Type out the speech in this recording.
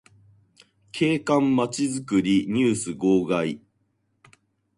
景観まちづくりニュース号外